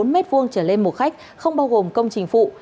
bốn m hai trở lên một khách không bao gồm công trình phụ